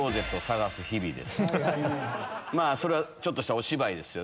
それはちょっとしたお芝居ですよ